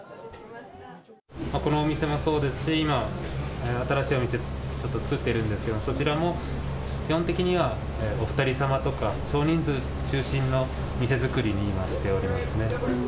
このお店もそうですし、今、新しいお店ちょっと作ってるんですけど、そちらも基本的にはお２人様とか少人数中心の店作りに今、しておりますね。